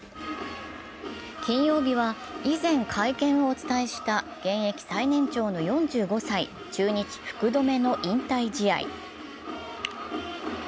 金曜日は以前、会見をお伝えした、現役最年長の４５歳、中日・福留の引退試合。